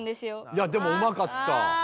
いやでもうまかった。